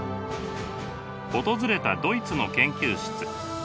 訪れたドイツの研究室。